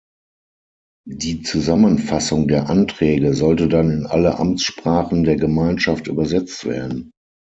Die Zusammenfassung der Anträge sollte dann in alle Amtssprachen der Gemeinschaft übersetzt werden.